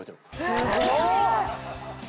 すごいね。